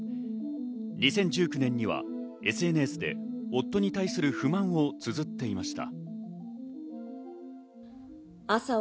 ２０１９年にはＳＮＳで夫に対する不満をつづっていました。